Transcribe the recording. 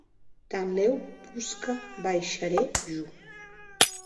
Tanlèu posca baisharè jo.